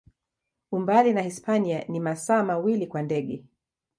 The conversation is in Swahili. Umbali na Hispania ni masaa mawili kwa ndege.